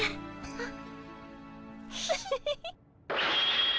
あっ。